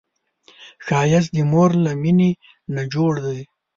ښایست د مور له مینې نه جوړ دی